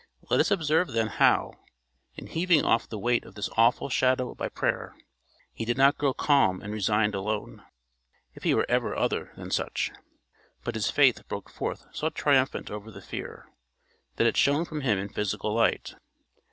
Let us observe then how, in heaving off the weight of this awful shadow by prayer, he did not grow calm and resigned alone, if he were ever other than such, but his faith broke forth so triumphant over the fear, that it shone from him in physical light.